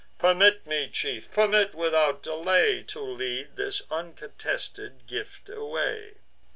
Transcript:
Permit me, chief, permit without delay, To lead this uncontended gift away."